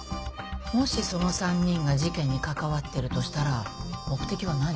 もしその３人が事件に関わってるとしたら目的は何？